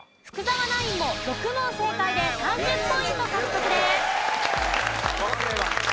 福澤ナインも６問正解で３０ポイント獲得です。